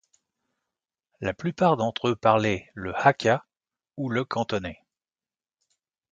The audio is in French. La plupart d'entre eux parlaient le hakka ou le cantonais.